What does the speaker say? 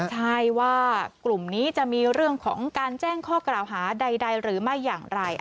ใช่ว่ากลุ่มนี้จะมีเรื่องของการแจ้งข้อกล่าวหาใดหรือไม่อย่างไร